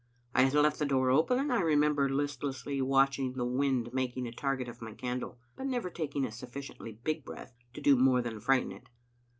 I had left the door open, and I remember listlessly watching the wind making a target of my candle, but never taking a sufficiently big breath to do more than frighten it.